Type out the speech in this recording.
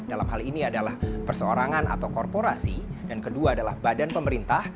dalam hal ini adalah perseorangan atau korporasi dan kedua adalah badan pemerintah